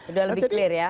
udah lebih clear ya